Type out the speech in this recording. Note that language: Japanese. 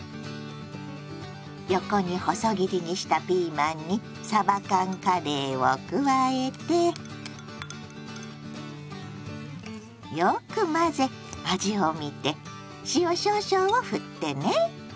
横に細切りにしたピーマンにさば缶カレーを加えてよく混ぜ味を見て塩少々をふってね。